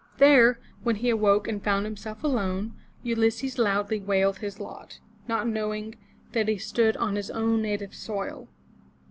There, when he awoke and found himself alone, Ulysses loudly wailed his lot, not knowing that he stood on his own native soil.